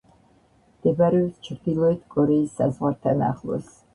მდებარეობს ჩრდილოეთ კორეის საზღვართან ახლოს.